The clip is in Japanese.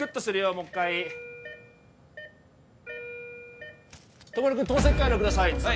もう一回徳丸君透析回路ください